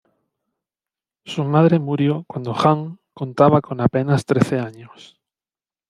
Su madre murió cuando Ján contaba con apenas trece años.